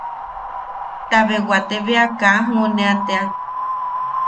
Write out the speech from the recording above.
Tabe wate bea ka junea tea.